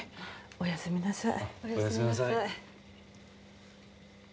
おやすみなさい。